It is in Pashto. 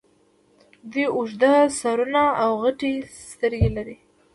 دوی اوږده سرونه او غټې سترګې لرلې